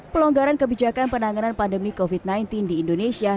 pelonggaran kebijakan penanganan pandemi covid sembilan belas di indonesia